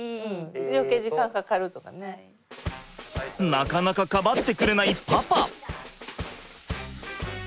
なかなかかまってくれないパパ。